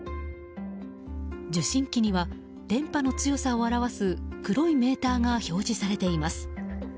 受信機には電波の強さを表す黒いメーターが表示されています。